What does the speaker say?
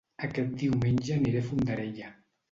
Aquest diumenge aniré a Fondarella